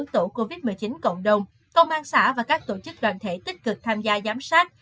tổ covid một mươi chín cộng đồng công an xã và các tổ chức đoàn thể tích cực tham gia giám sát